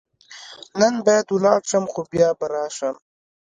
نن باید ولاړ شم، خو بیا به راشم.